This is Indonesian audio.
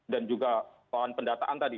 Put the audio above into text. dan juga kawan pendataan tadi